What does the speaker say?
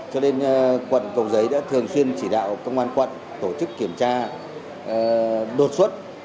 cho nên quận cầu giấy đã thường xuyên chỉ đạo công an quận tổ chức kiểm tra đột xuất